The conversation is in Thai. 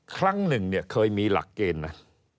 ครั้งหนึ่งเนี่ยเคยมีหลักเกณฑ์นะ